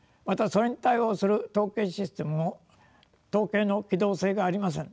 またそれに対応する統計システムも統計の機動性がありません。